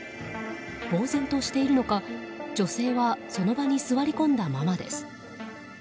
呆然としているのか、女性はその場に座り込んだままです。